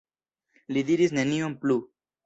Li diris nenion plu.